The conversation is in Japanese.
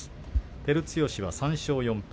照強は３勝４敗。